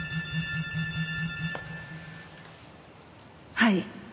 はい。